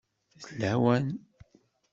D lawan!